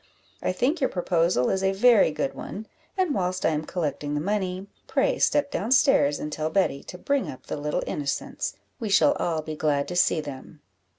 I think your proposal is a very good one; and whilst I am collecting the money, pray step down stairs, and tell Betty to bring up the little innocents we shall all be glad to see them."